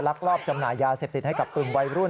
ลอบจำหน่ายยาเสพติดให้กับกลุ่มวัยรุ่น